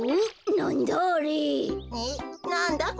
なんだ？